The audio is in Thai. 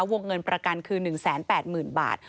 วงเงินประกันคือ๑๘๐๐๐บาท